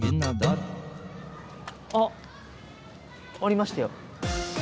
あっありましたよ。